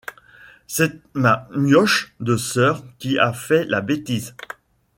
C’est ma mioche de sœur qui a fait la bêtise.